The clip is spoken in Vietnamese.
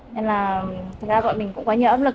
nên là thật ra bọn mình cũng có nhiều áp lực